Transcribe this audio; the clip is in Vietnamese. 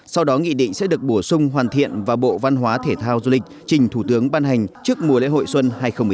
sau đó nghị định sẽ được bổ sung hoàn thiện và bộ văn hóa thể thao du lịch trình thủ tướng ban hành trước mùa lễ hội xuân hai nghìn một mươi chín